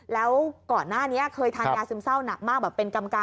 แล้วก่อนหน้านี้เคยทานยาซึมเศร้าหนักมากแบบเป็นกรรม